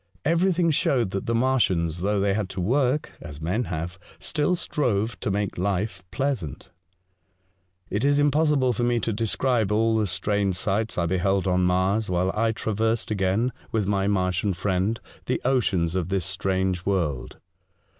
Everything showed that the Martians, though they had to work (as men have), still strove to make life pleasant. It is impossible for me to describe all the strange sights I beheld on Mars, while I traversed again, with my Martian friend, the oceans of this strange world.